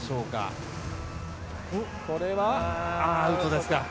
これはアウトです。